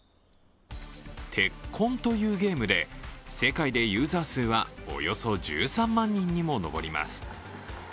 「ＴＥＫＫＯＮ」というゲームで、世界でユーザー数はおよそ１３万人にも上ります。